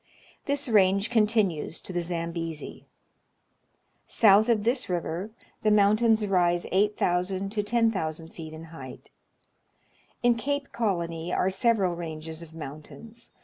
This range continues to the Zambezi. South of this river the mountains rise 8,000 to 10,000 feet in height. In Cape Colony are several ranges of mountains.